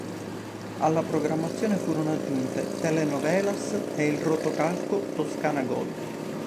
Alla programmazione furono aggiunte telenovelas e il rotocalco "Toscana Gol".